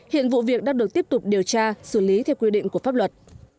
hiện vụ việc đang được tiếp tục điều tra xử lý theo quy định của pháp luật